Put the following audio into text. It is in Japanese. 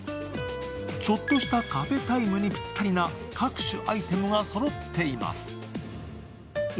ちょっとしたカフェタイムにぴったりな各種アイテムがそろっています。